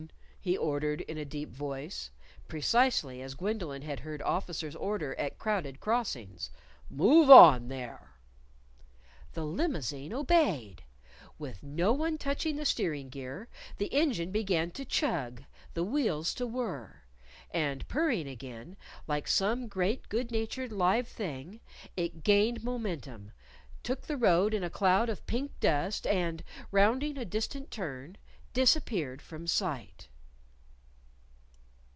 he ordered in a deep voice (precisely as Gwendolyn had heard officers order at crowded crossings); "move on, there!" The limousine obeyed! With no one touching the steering gear, the engine began to chug, the wheels to whirr. And purring again, like some great good natured live thing, it gained momentum, took the road in a cloud of pink dust, and, rounding a distant turn, disappeared from sight.